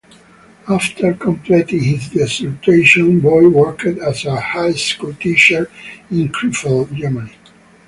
After completing his dissertation, Boy worked as a high school teacher in Krefeld, Germany.